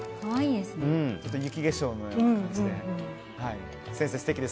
ちょっと雪化粧のような感じで。